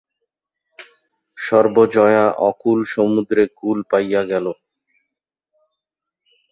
সর্বজয়া অকুল সমুদ্রে কুল পাইয়া গেল।